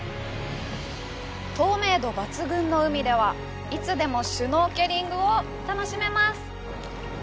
透明度抜群の海では、いつでもシュノーケリングを楽しめます。